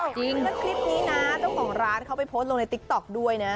ในคลิปนี้นะเจ้าของร้านเขาไปโพสต์ลงในติ๊กต๊อกได้ด้วย